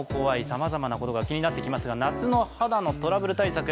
さまざまなことが気になってきますが夏の肌のトラブル対策。